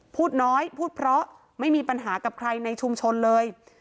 พูดน้อยพูดเพราะไม่มีปัญหากับใครในชุมชนเลย